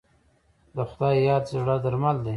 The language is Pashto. د خدای یاد د زړه درمل دی.